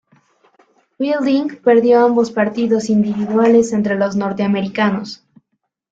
Wilding perdió ambos partidos individuales ante los norteamericanos.